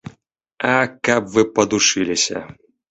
А каб вы падушыліся.